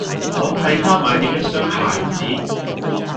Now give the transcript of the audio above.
我替他買了一雙鞋子